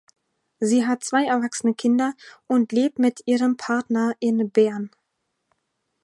Sie hat zwei erwachsene Kinder und lebt mit ihrem Partner in Bern.